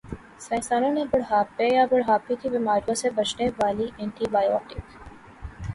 سائنسدانوں نےبڑھاپے یا بڑھاپے کی بیماریوں سے بچانے والی اینٹی بائیوٹک